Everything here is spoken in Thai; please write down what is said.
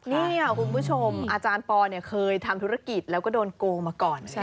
นี่คุณผู้ชมอาจารย์ปอลเคยทำธุรกิจแล้วก็โดนโกงมาก่อนใช่ไหม